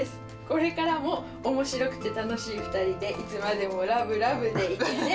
これからもおもしろくて楽しい２人で、いつまでもラブラブでいてね。